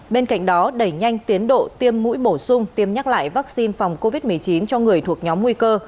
bên cạnh đó đẩy nhanh tiến độ tiêm mũi bổ sung tiêm nhắc lại vaccine phòng covid một mươi chín cho người thuộc nhóm nguy cơ